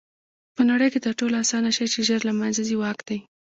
په نړۍ کښي تر ټولو آسانه شى چي ژر له منځه ځي؛ واک دئ.